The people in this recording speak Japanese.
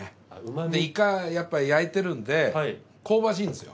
イカやっぱり焼いてるんで香ばしいんですよ。